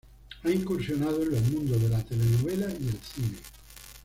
Ha incursionado en los mundos de la telenovela y el cine.